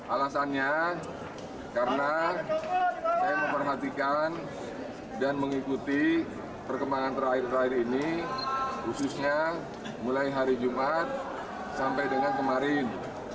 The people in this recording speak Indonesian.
alasannya karena saya memperhatikan dan mengikuti perkembangan terakhir terakhir ini khususnya mulai hari jumat sampai dengan kemarin